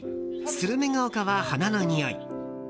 「スルメが丘は花の匂い」。